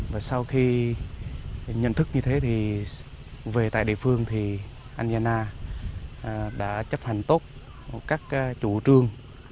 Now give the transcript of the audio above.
và sau khi nhận thức như thế thì về tại địa phương thì anh gia đã chấp hành tốt các chủ trương